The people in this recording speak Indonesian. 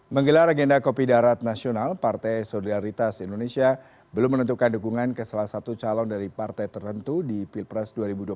menggelar agenda kopi darat nasional partai solidaritas indonesia belum menentukan dukungan ke salah satu calon dari partai tertentu di pilpres dua ribu dua puluh